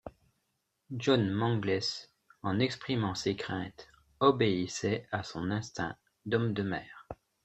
John Mangles, en exprimant ses craintes, obéissait à son instinct d’homme de mer.